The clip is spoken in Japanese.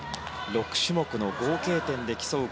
６種目の合計点で競う